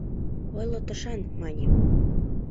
Ойло тышан! — мане.